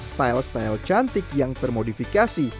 style style cantik yang termodifikasi